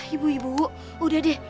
ibu ibu udah deh